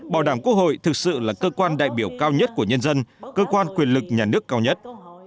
bảo đảm quốc hội thực sự là cơ quan đại biểu cao nhất của nhân dân cơ quan quyền lực nhà nước cao nhất